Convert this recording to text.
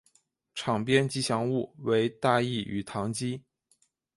场边吉祥物为大义与唐基。